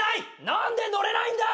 何で乗れないんだ？